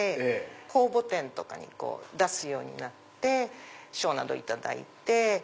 公募展とかに出すようになって賞など頂いて。